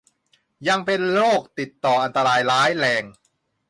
ยังเป็นโรคติดต่ออันตรายร้ายแรง